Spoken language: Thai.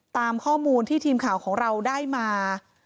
ตามข้อมูลที่ทีมข่าวของเราได้มา